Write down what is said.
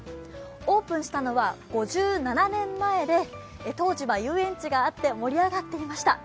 オープンしたのは５７年前で、当時は遊園地があって盛り上がっていました。